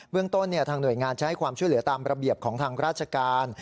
เรื่องต้นทางหน่วยงานจะให้ความช่วยเหลือตามระเบียบของทางราชการ